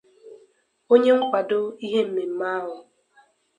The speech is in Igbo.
onye nkwàdo ihe mmemme ahụ